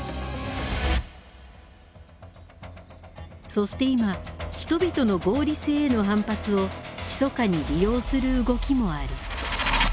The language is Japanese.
そして今人々の合理性への反発をひそかに利用する動きもある。